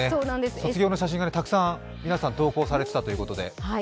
卒業の写真がたくさん投稿されていたということで。